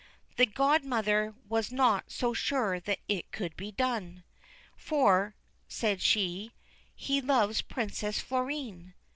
The god mother was not so sure that it could be done, 'for,' said she, 'he loves Princess Florine.'